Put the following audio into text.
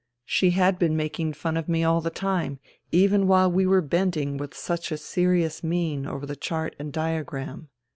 She had been making fun of me all the time, even while we were bending with such a serious mien over the chart and diagram.